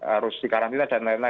harus dikarantina dll